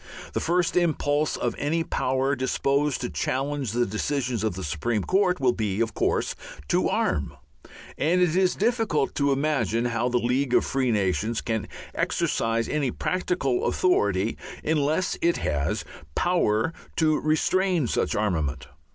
The first impulse of any power disposed to challenge the decisions of the Supreme Court will be, of course, to arm; and it is difficult to imagine how the League of Free Nations can exercise any practical authority unless it has power to restrain such armament.